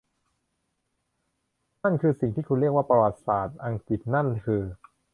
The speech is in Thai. นั่นคือสิ่งที่คุณเรียกว่าประวัติศาสตร์อังกฤษนั่นคือ